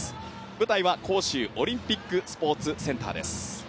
舞台は杭州オリンピックスポーツセンターです。